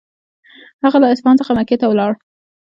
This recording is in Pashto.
هغه له اصفهان څخه مکې ته ولاړ.